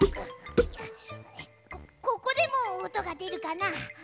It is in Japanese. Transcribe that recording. こここでもおとがでるかな？